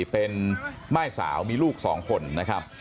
เป็นม่ายสาวมีลูก๒คนนะครับ